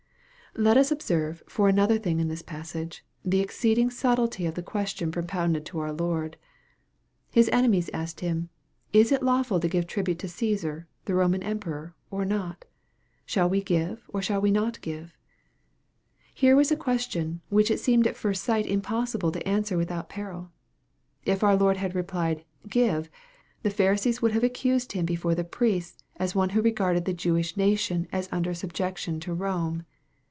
Let us observe, for another thing in this passage, the exceeding subtlety of the question propounded to our Lord. His enemies asked him, " Is it lawful to give tribute to Caesar, the Roman emperor, or not ? Shall we give, or shall we not give ?" Here was a question, which it seemed at first sight impossible to answer without peril. If our Lord had replied " Give," the Pharisees would have accused him before the priests, as one who regarded the Jewish nation as under subjection to Borne.